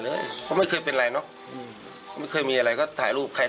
ไม่เคยเป็นไรเนอะไม่เคยมีอะไรก็ถ่ายรูปใคร